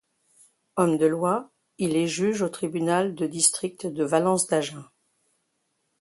Homme de loi, il est juge au tribunal de district de Valence-d'Agen.